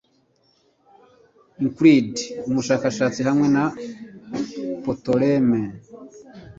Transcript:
Euclid umushakashatsi hamwe na Ptolémée